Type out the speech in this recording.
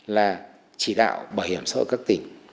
là chỉ đạo bảo hiểm xã hội các tỉnh